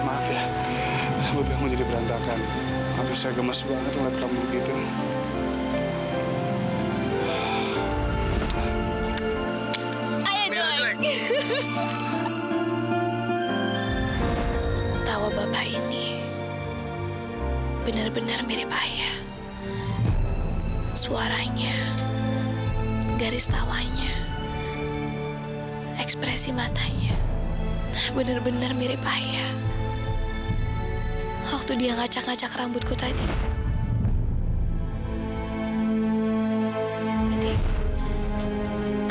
mak kamu kenapa ngelamun